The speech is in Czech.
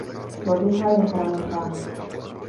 Lodyha je hranatá.